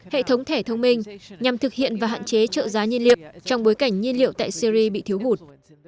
hệ thống thẻ thông minh nhằm thực hiện và hạn chế trợ giá nhiên liệu trong bối cảnh nhiên liệu tại syri bị thiếu hụt